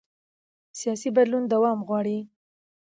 سیاسي بدلون دوام غواړي